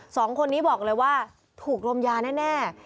สองคนนี้บอกเลยว่าถูกลมยาแน่